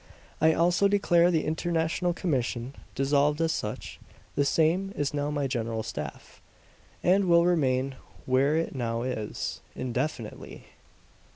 I also declare the International Commission dissolved as such; the same is now my general staff, and will remain where it now is indefinitely!"